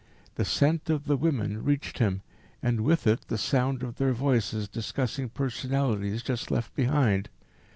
The scent of the women reached him; and with it the sound of their voices discussing personalities just left behind.